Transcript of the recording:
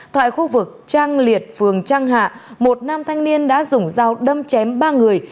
tại khu vực trang liệt phường trang hạ một nam thanh niên đã dùng dao đâm chém ba người